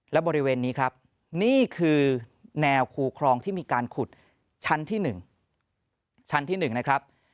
และบริเวณนี้ครับนี่คือแนวคูคลองที่มีการขุดชั้นที่๑ชั้นที่๑นะครับ